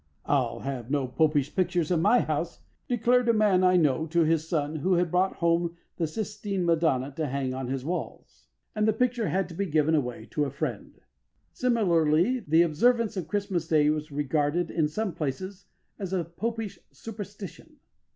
"I'll have no Popish pictures in my house," declared a man I know to his son, who had brought home the Sistine Madonna to hang on his walls; and the picture had to be given away to a friend. Similarly, the observance of Christmas Day was regarded in some places as a Popish superstition.